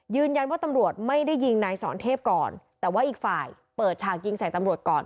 ตำรวจไม่ได้ยิงนายสอนเทพก่อนแต่ว่าอีกฝ่ายเปิดฉากยิงใส่ตำรวจก่อน